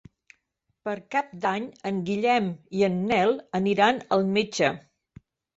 Per Cap d'Any en Guillem i en Nel aniran al metge.